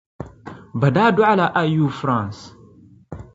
Bɛ daa dɔɣi la Ayew France.